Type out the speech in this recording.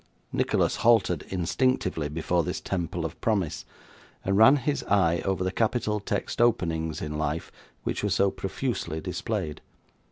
Nicholas halted, instinctively, before this temple of promise, and ran his eye over the capital text openings in life which were so profusely displayed.